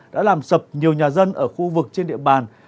đã làm sập nhiều nhà dân ở khu vực trên địa bàn